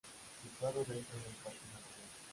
Situado dentro del parque Natural.